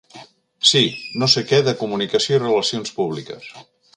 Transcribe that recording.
Sí, no sé què de comunicació i relacions públiques.